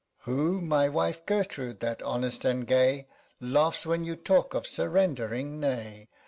"_ Who? My wife Gertrude; that, honest and gay, Laughs when you talk of surrendering, "Nay!